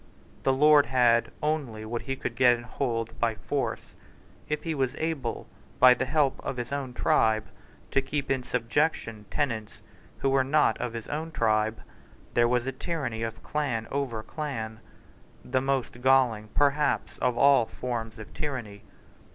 The lord had only what he could get and hold by force. If he was able, by the help of his own tribe, to keep in subjection tenants who were not of his own tribe, there was a tyranny of clan over clan, the most galling, perhaps, of all forms of tyranny.